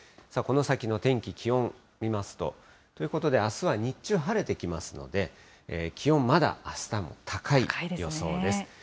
この先の天気、気温見ますと。ということで、あすは日中、晴れてきますので、気温まだあしたも高い予想です。